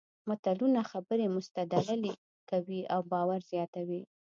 متلونه خبرې مستدللې کوي او باور زیاتوي